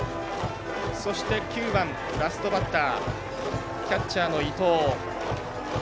そして、９番、ラストバッターキャッチャーの伊藤。